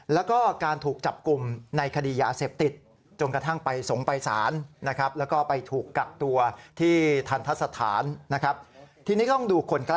แล้วก็การถูกจับกลุ่มในคดียาเสพติด